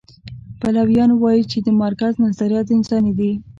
پلویان وایي چې د مارکس نظریات انساني دي.